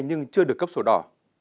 nhưng chưa được cấp sổ đỏ